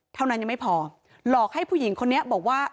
เท่านั้นยังไม่พอหลอกให้ผู้หญิงคนนี้บอกว่า